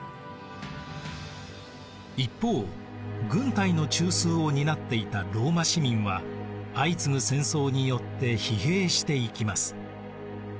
一方軍隊の中枢を担っていたローマ市民は相次ぐ戦争によって疲弊していきます。